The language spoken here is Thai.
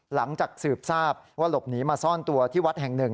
หลังจากสืบทราบว่าหลบหนีมาซ่อนตัวที่วัดแห่งหนึ่ง